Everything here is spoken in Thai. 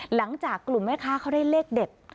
หลังจากกลุ่มแม่ค้าเขาได้เลขเด็ด